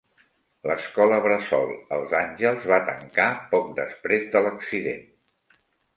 L'escola bressol Els àngels va tancar poc després de l'accident.